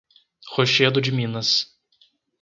Rochedo de Minas